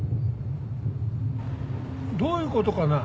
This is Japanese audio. どういうことかな？